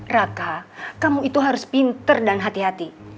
raka kamu itu harus pinter dan hati hati